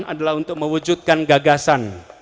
adalah untuk mewujudkan gagasan